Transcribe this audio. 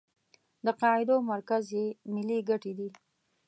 د قاعدو مرکز یې ملي ګټې دي.